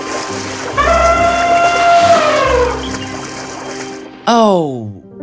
dia mengambil peluang untuk menemukan makhluk